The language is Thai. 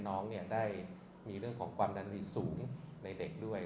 น้องได้มีเรื่องของความดันรีสูงในเด็กด้วย